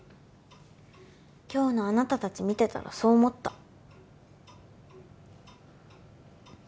今日のあなた達見てたらそう思った